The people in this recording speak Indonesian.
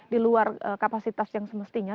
di luar kapasitas yang semestinya